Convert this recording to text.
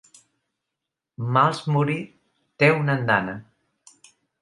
Malmsbury té una andana.